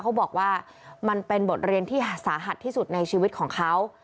เขาบอกว่ามันเป็นบทเรียนที่สาหัสที่สุดในชีวิตของเขา